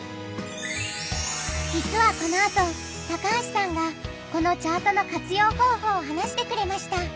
じつはこのあと高橋さんがこのチャートの活用方法を話してくれました。